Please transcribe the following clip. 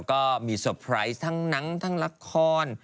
แล้วก็มีสเตอร์ไพรส์ทั้งนังทั้งละคร